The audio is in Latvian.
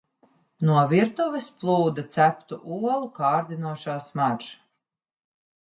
No virtuves plūda ceptu olu kārdinošā smarža.